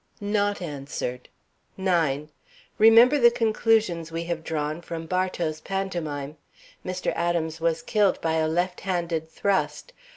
[Sidenote: Not Answered] 9. Remember the conclusions we have drawn from Bartow's pantomime. Mr. Adams was killed by a left handed thrust.